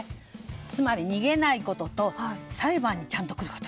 つまり逃げないことと裁判にちゃんと来ること。